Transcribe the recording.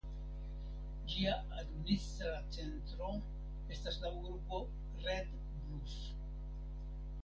Ĝia administra centro estas la urbo Red Bluf.